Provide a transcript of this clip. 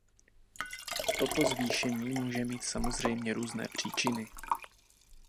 Toto zvýšení může mít samozřejmě různé příčiny.